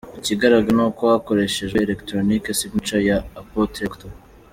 Ikigaragara ni uko hakoreshejwe ‘electronic signature’ ya Apôtre Dr.